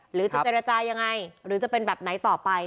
หรือจะเจรจายังไงหรือจะเป็นแบบไหนต่อไป